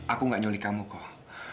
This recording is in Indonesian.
aku gak nyuli kamu kok